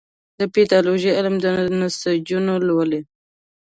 د پیتالوژي علم د نسجونه لولي.